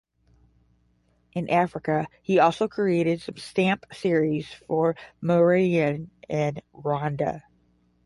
In Africa, he also created some stamp series for Mauritania and Rwanda.